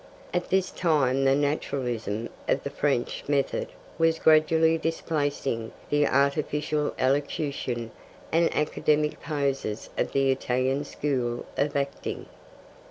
At this time the naturalism of the French method was gradually displacing the artificial elocution and academic poses of the Italian school of acting.